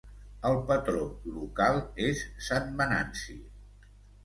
El patró local és Sant Venanci.